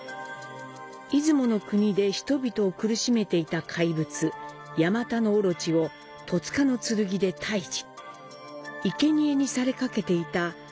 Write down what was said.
出雲国で人々を苦しめていた怪物、八岐大蛇を十拳剣で退治。